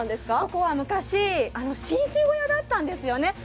ここは昔、真珠小屋だったんですね。